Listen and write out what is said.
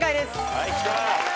はいきた。